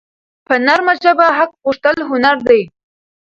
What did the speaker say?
په نرمه ژبه حق غوښتل هنر دی.